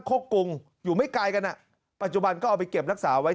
กรุงอยู่ไม่ไกลกันอ่ะปัจจุบันก็เอาไปเก็บรักษาไว้